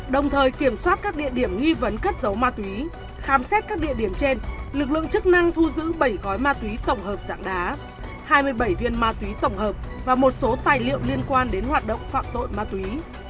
đồng thời kiểm soát các địa điểm nghi vấn cất dấu ma túy khám xét các địa điểm trên lực lượng chức năng thu giữ bảy gói ma túy tổng hợp dạng đá hai mươi bảy viên ma túy tổng hợp và một số tài liệu liên quan đến hoạt động phạm tội ma túy